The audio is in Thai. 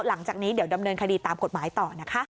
หลังจากนี้เดี๋ยวดำเนินคดีตามกฎหมายต่อนะคะ